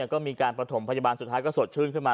ก็มีการประถมพยาบาลสุดท้ายก็สดชื่นขึ้นมา